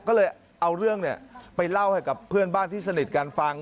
ก็เลยเอาเรื่องไปเล่าให้กับเพื่อนบ้านที่สนิทกันฟัง